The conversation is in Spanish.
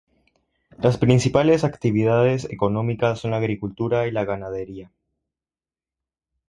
Las principales actividades económica son la agricultura y la ganadería.